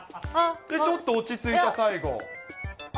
ちょっと落ち着いた最後。